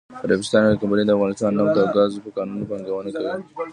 عربستان یوه کمپنی دافغانستان نفت او ګازو په کانونو پانګونه کوي.😱